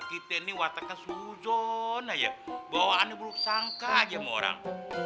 kita ini wataknya sujon aja bawaannya buruk sangka aja sama orang